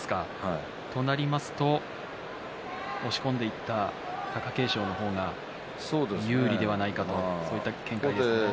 となると押し込んでいった貴景勝の方が有利ではないかという見解ですね。